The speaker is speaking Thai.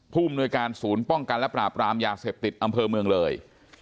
ภูมิหน่วยการศูนย์ป้องกันและปราบรามยาเสพติดอำเภอเมืองเลย